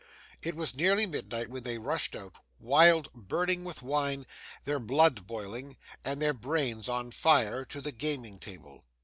It was nearly midnight when they rushed out, wild, burning with wine, their blood boiling, and their brains on fire, to the gaming table.